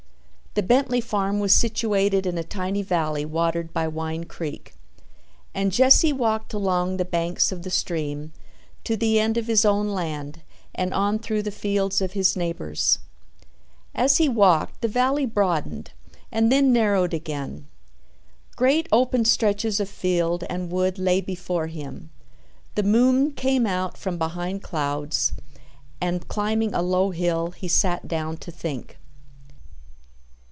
The Bentley farm was situated in a tiny valley watered by Wine Creek, and Jesse walked along the banks of the stream to the end of his own land and on through the fields of his neighbors. As he walked the valley broadened and then narrowed again. Great open stretches of field and wood lay before him. The moon came out from behind clouds, and, climbing a low hill, he sat down to think.